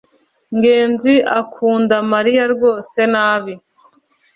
ngenzi akunda mariya rwose nabi